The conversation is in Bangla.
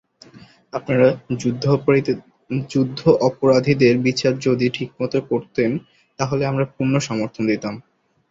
আপনারা যুদ্ধাপরাধীদের বিচার যদি ঠিকমতো করতেন তাহলে আমরা পূর্ণ সমর্থন দিতাম।